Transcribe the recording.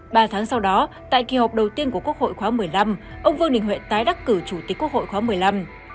ba tháng sau đó tại kỳ họp đầu tiên của quốc hội khóa một mươi năm ông vương đình huệ tái đắc cử chủ tịch quốc hội khóa một mươi năm